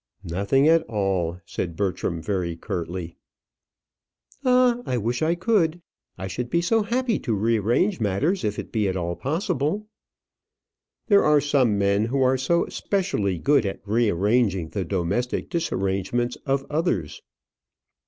"Nothing at all," said Bertram, very curtly. "Ah, I wish I could. I should be so happy to rearrange matters if it be at all possible." There are some men who are so specially good at rearranging the domestic disarrangements of others.